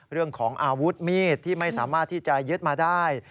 เรื่องของอาวุธมีดที่ไม่สามารถที่จะยึดมาได้